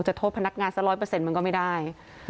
จะโทษพนักงานซะร้อยเปอร์เซ็นต์มันก็ไม่ได้